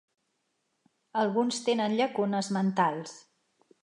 Alguns tenen llacunes mentals.